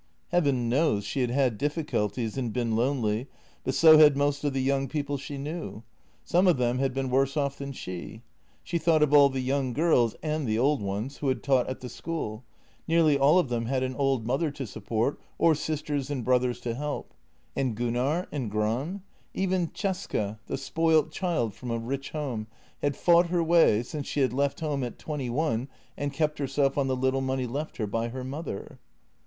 Heaven knows, she had had difficulties and been lonely, but so had most of the young people she knew. Some JENNY 103 of them had been worse off than she. She thought of all the young girls — and the old ones — who had taught at the school; nearly all of them had an old mother to support, or sisters and brothers to help. And Gunnar? — and Gram? Even Cesca, the spoilt child from a rich home, had fought her way, since she had left home at twenty one and kept herself on the little money left her by her mother.